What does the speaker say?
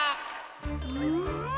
うん。